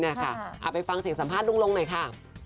เอาไปฟังเสียงสัมภาษณ์ลุงลงหน่อยค่ะ